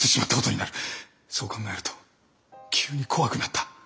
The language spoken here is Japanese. そう考えると急に怖くなった。